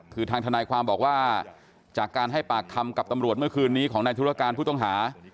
คือทางทนายความบอกว่าจากการให้ปากคำกับตำรวจเมื่อคืนนี้ของนายธุรการผู้ต้องหา